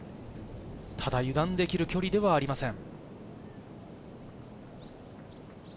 ただ油断できる距離ではありません。